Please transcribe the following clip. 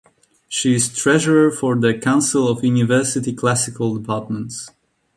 She is Treasurer for the Council of University Classical Departments.